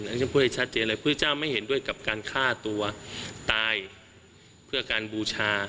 ฉันพูดให้ชัดเจนเลยพระพุทธเจ้าไม่เห็นด้วยกับการฆ่าตัวตายเพื่อการบูชา